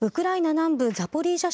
南部ザポリージャ